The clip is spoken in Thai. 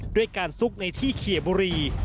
ด้วยการซุกในที่เคียบุรี